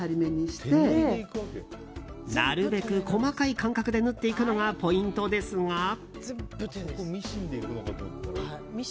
なるべく細かい間隔で縫っていくのがポイントですが。